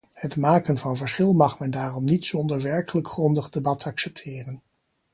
Het maken van verschil mag men daarom niet zonder werkelijk grondig debat accepteren.